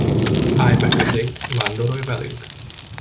Állj be közénk, vándorolj velünk.